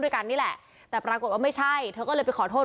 ด้วยกันนี่แหละแต่ปรากฏว่าไม่ใช่เธอก็เลยไปขอโทษ